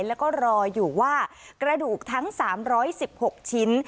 แล้วก็รออยู่ว่ากระดูกทั้ง๓๑๖ชิ้น